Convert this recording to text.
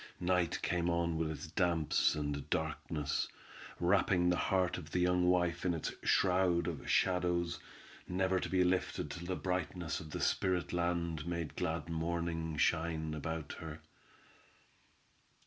Night came on with its damps and darkness, wrapping the heart of the young wife in its shroud of shadows, never to be lifted till the brightness of the spirit land made glad morning shine about her.